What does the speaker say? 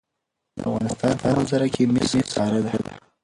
د افغانستان په منظره کې مس ښکاره ده.